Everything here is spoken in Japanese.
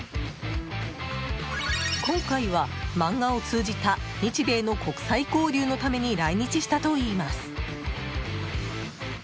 今回は、漫画を通じた日米の国際交流のために来日したといいます。